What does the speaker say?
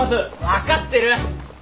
分かってる！